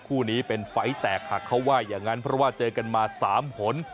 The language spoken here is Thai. คู่นี้เป็นไฟล์แตกหักเขาว่าอย่างนั้นเพราะว่าเจอกันมา๓หน